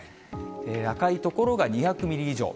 赤い所が２００ミリ以上。